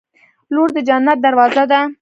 • لور د جنت دروازه ده.